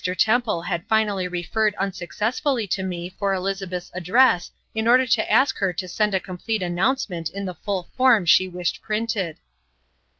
Temple had finally referred unsuccessfully to me for Elizabeth's address in order to ask her to send a complete announcement in the full form she wished printed.